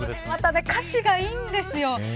また歌詞がいいんですよ。